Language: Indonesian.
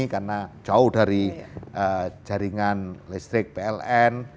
karena jauh dari jaringan listrik pln